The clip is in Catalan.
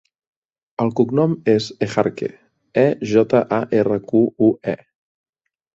El cognom és Ejarque: e, jota, a, erra, cu, u, e.